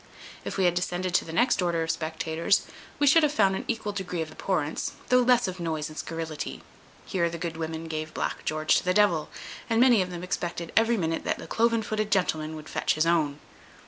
If we had descended to the next order of spectators, we should have found an equal degree of abhorrence, though less of noise and scurrility; yet here the good women gave Black George to the devil, and many of them expected every minute that the cloven footed gentleman would fetch his own.